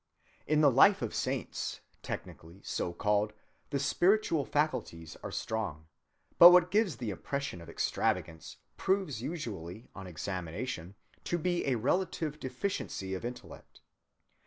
In the life of saints, technically so called, the spiritual faculties are strong, but what gives the impression of extravagance proves usually on examination to be a relative deficiency of intellect.